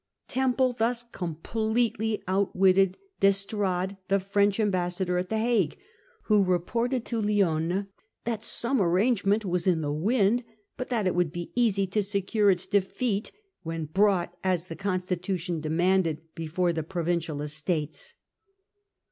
Temple thus completely outwitted d'Estrades, the French ambassador at the Hague, who reported to Lionne that some arrangement was in the wind, but that it would be easy to secure its defeat when brought, as the constitution demanded, before the Pro vincial Estates.